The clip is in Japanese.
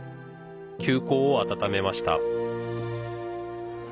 旧交を温めました。